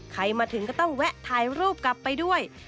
ใครมาถึงก็ต้องแวะถ่ายรูปกลับไปด้วย